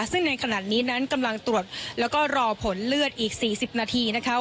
ซึ่งในขณะนี้นั้นกำลังตรวจแล้วก็รอผลเลือดอีก๔๐นาทีนะคะ